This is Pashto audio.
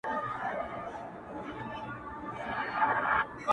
زه به وکړم په مخلوق داسي کارونه.!